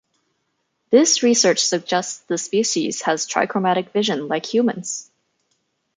This research suggests the species has trichromatic vision, like humans.